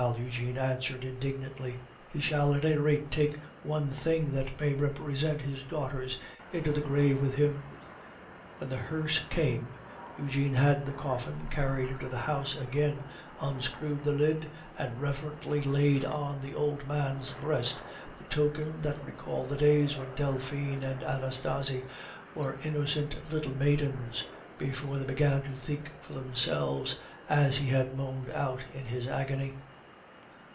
Eugene answered indignantly; "he shall at any rate take one thing that may represent his daughters into the grave with him." When the hearse came, Eugene had the coffin carried into the house again, unscrewed the lid, and reverently laid on the old man's breast the token that recalled the days when Delphine and Anastasie were innocent little maidens, before they began "to think for themselves," as he had moaned out in his agony.